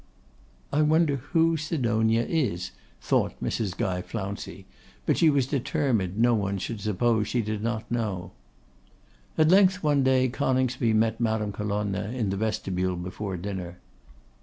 'I wonder who Sidonia is,' thought Mrs. Guy Flouncey, but she was determined no one should suppose she did not know. At length one day Coningsby met Madame Colonna in the vestibule before dinner.